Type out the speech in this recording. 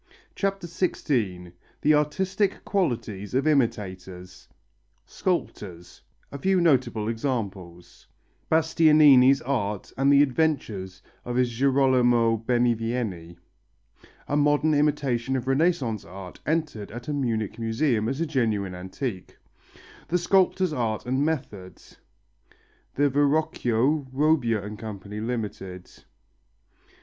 CHAPTER XVI THE ARTISTIC QUALITIES OF IMITATORS Sculptors A few notable examples Bastianini's art and the adventures of his Girolamo Benivieni A modern imitation of Renaissance art entered at a Munich museum as a genuine antique The sculptor's art and method The Verrocchio, Robbia and Co., Ltd.